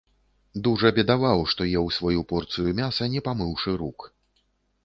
Дужа бедаваў, што еў сваю порцыю мяса не памыўшы рук.